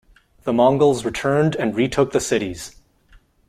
The Mongols returned and retook the cities.